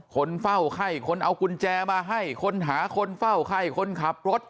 คนเฝ้าไข้คนเอากุญแจมาให้คนหาคนเฝ้าไข้คนขับรถ